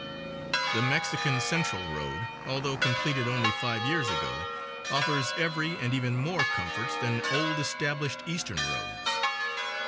The Mexican Central road, although completed only five years ago, offers every, and even more, comforts than old established eastern roads.